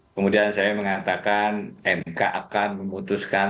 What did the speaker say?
kemudian saya mengatakan mk akan memutuskan